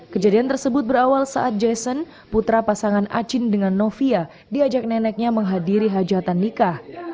kejadian tersebut berawal saat jason putra pasangan acin dengan novia diajak neneknya menghadiri hajatan nikah